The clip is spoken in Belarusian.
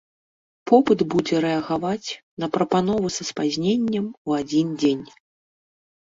Попыт будзе рэагаваць на прапанову са спазненнем у адзін дзень.